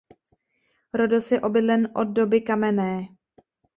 Rhodos je obydlen od doby kamenné.